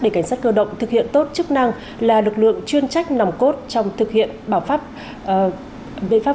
để cảnh sát cơ động thực hiện tốt chức năng là lực lượng chuyên trách nồng cốt trong thực hiện bảo pháp